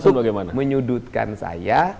untuk menyudutkan saya